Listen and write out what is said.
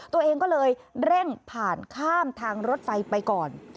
ตัวเองก็เลยเร่งผ่านข้ามทางรถไฟไปก่อน